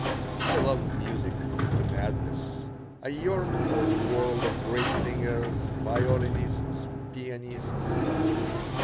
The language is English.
I love music to madness. I yearn for the world of great singers, violinists, pianists.